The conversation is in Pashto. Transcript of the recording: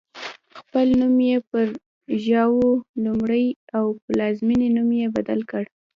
خپل نوم یې پر ژواو لومړی او پلازمېنې نوم یې بدل کړ.